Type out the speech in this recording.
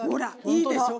いいでしょ！